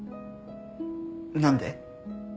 何で？